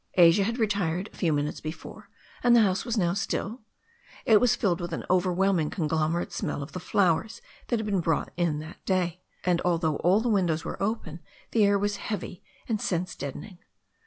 Asia had retired a few minutes before, and the house was now still. It was filled with an over whelming conglomerate stnell of the flowers that had been brought in that day, and although all the windows were open the air was heavy and sense deadening.